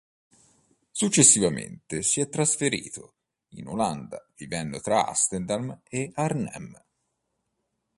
Successivamente si è trasferito in Olanda, vivendo tra Amsterdam e Arnhem.